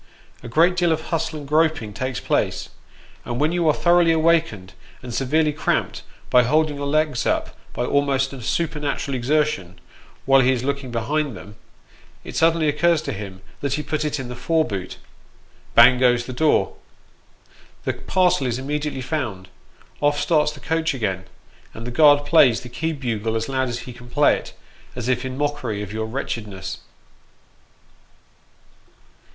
A great deal of buetle and groping takes place, and when you are thoroughly awakened, and severely cramped, by holding your legs up by an almost supernatural exertion, while he is looking behind them, it suddenly occurs to him that he put it in the fore boot. Bang goes the door ; the parcel is immediately found j off starts the coach again ; IO2 Sketches by Bos. and the guard plays the key bugle as loud as he can play it, as if in mockery of your wretchedness.